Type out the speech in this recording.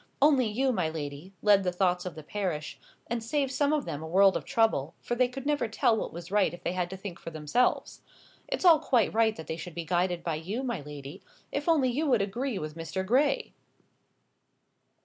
Only you, my lady, lead the thoughts of the parish; and save some of them a world of trouble, for they could never tell what was right if they had to think for themselves. It's all quite right that they should be guided by you, my lady,—if only you would agree with Mr. Gray."